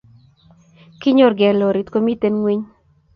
kinyoregei lorit komiten ngweny